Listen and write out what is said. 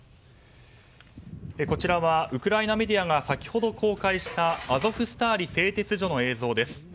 こちらはウクライナメディアが先ほど公開したアゾフスターリ製鉄所の映像です。